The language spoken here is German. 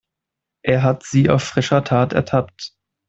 Er hat sie auf frischer Tat ertappt.